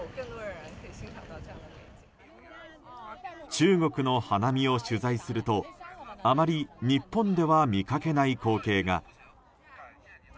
中国の花見を取材するとあまり日本では見かけない光景が。